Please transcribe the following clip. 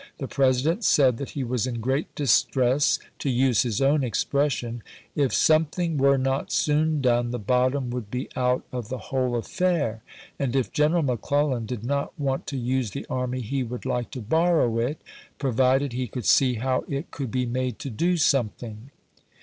The President said that he was in great distress ; to use his own expression :" If something were not soon done, the bottom would be out of the whole atfair; and if General McClellan did not want to use the army he "Life of ' would like to borrow it, provided he coidd see how p. 773.' it could be made to do something."